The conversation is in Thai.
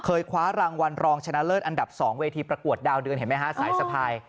คว้ารางวัลรองชนะเลิศอันดับ๒เวทีประกวดดาวเดือนเห็นไหมฮะสายสะพาย